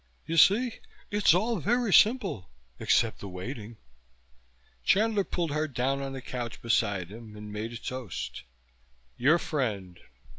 You see? It's all very simple, except the waiting." Chandler pulled her down on the couch beside him and made a toast. "Your friend."